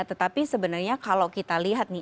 tetapi sebenarnya kalau kita lihat nih